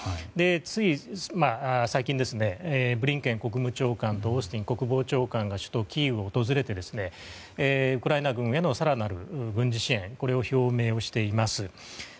つい最近、ブリンケン国務長官とオースティン国防長官が首都を訪れてウクライナ軍への、更なる軍事支援を表明しています。